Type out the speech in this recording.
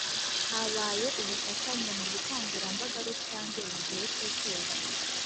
Habaye ubufatanye mu bukangurambaga rusange mu gihe cy Ukwezi